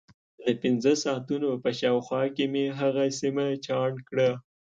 د پنځه ساعتونو په شاوخوا کې مې هغه سیمه چاڼ کړه.